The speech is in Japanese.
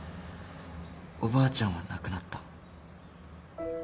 おばあちゃんは亡くなった